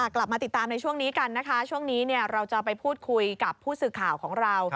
กลับมาติดตามในช่วงนี้กันนะคะช่วงนี้เราจะไปพูดคุยกับผู้สื่อข่าวของเรา